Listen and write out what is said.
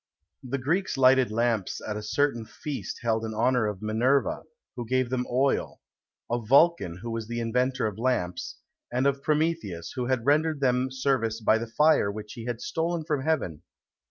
The Greeks lighted lamps at a certain feast held in honour of Minerva, who gave them oil; of Vulcan, who was the inventor of lamps; and of Prometheus, who had rendered them service by the fire which he had stolen from heaven.